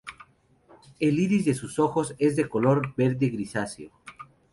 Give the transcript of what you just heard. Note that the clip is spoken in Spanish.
El iris de sus ojos es de color verde grisáceo.